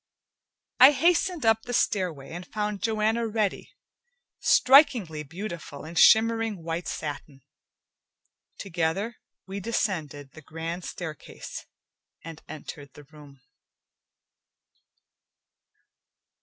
I hastened up the stairway, and found Joanna ready, strikingly beautiful in shimmering white satin. Together, we descended the grand staircase and entered the room.